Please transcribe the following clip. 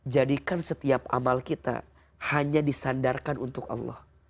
jadikan setiap amal kita hanya disandarkan untuk allah